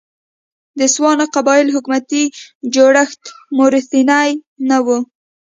د تسوانا قبایلي حکومتي جوړښت موروثي نه و.